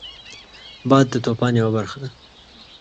باد د طوفان یو برخه ده